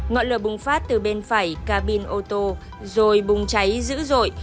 ngọn lửa bùng phát từ bên phải cabin ô tô rồi bùng cháy dữ dội